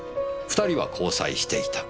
２人は交際していた。